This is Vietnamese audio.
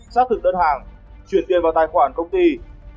xác thực đơn hàng chuyển tiền vào tài khoản công ty